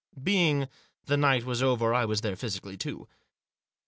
Before the night was over I was there physically, too.